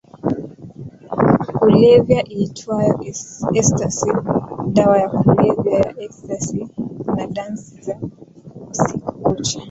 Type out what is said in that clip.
kulevya iitwayo ecstasy Dawa ya Kulevya ya Ecstasy na Dansi za Usiku Kucha